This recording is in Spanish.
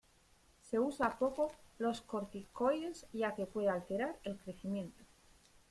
Se usa poco los corticoides ya que puede alterar el crecimiento.